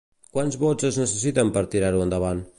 Quants vots es necessiten per tirar-ho endavant?